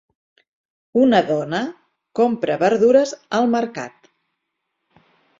Una dona compra verdures al mercat.